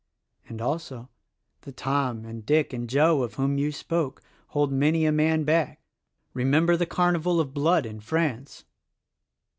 And also, the Tom and Dick and Joe of whom you spoke, hold many a man back. Remember the carnival of blood in France!"